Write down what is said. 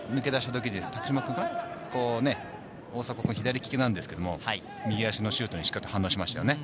ただここで抜け出した時、大迫君、左利きなんですけど、右足のシュートに、しっかり反応しましたね。